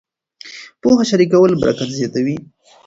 پوهه شریکول برکت زیاتوي.